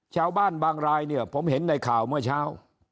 ชาวบ้านบางรายเนี่ยผมเห็นในข่าวเมื่อเช้า